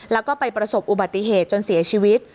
แล้วก็ไปประสบอุบัติเหตุจนเสียชีวิต